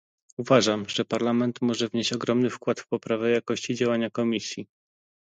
Uważam, że Parlament może wnieść ogromny wkład w poprawę jakości działania Komisji